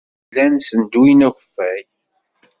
Llan ssenduyen akeffay.